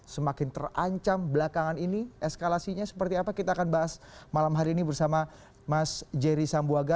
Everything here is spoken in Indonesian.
semakin terancam belakangan ini eskalasinya seperti apa kita akan bahas malam hari ini bersama mas jerry sambuaga